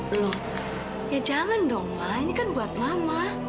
loh ya jangan dong ma ini kan buat mama